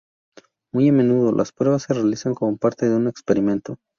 Muy a menudo, las pruebas se realizan como parte de un experimento.